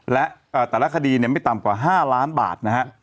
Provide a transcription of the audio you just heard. และแต่ละคดีไม่ต่ำกว่า๕ล้านบาทนะฮะ